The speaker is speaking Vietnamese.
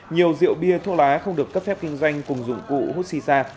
nhiều rượu bia thuốc lá không được cấp phép kinh doanh cùng dụng cụ hút xì xa